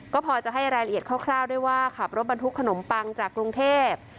ก็พอจะให้รายละเอียดคร่าวได้ว่าขับรถบรรทุกขนมปังจากกรุงเทพ